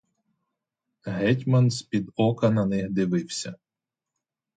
Гетьман з-під ока на них дивився.